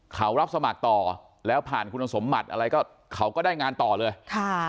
เขารับสมัครต่อแล้วผ่านคุณสมบัติอะไรก็เขาก็ได้งานต่อเลยค่ะ